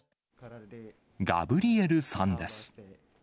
ガブリエルさんです。